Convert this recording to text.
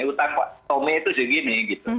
hutang tommy itu segini